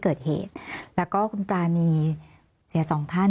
มีความรู้สึกว่าเสียใจ